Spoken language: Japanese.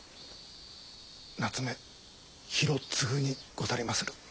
夏目広次にござりまする。